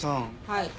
はい。